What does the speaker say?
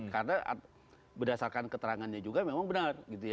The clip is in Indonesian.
karena berdasarkan keterangannya juga memang benar